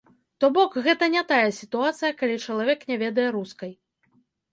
То бок, гэта не тая сітуацыя, калі чалавек не ведае рускай.